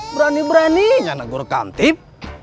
berani beraninya negur kamtip